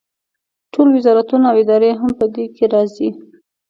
ټول وزارتونه او ادارې هم په دې کې راځي.